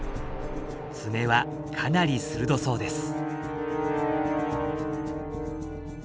爪はかなり鋭そうです。